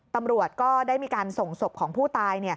ตำรวจก็ได้มีการส่งศพของผู้ตาย